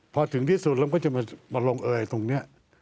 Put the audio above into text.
พอถึงที่สุดเราก็จะมาลงเอยตรงนี้